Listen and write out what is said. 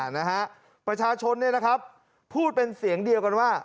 นะฮะประชาชนเนี่ยนะครับพูดเป็นเสียงเดียวกันว่า